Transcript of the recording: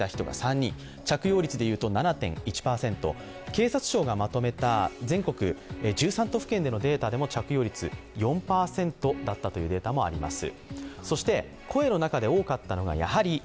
警察庁がまとめた全国１３都府県でのデータでも着用率４％だったというデータもあります。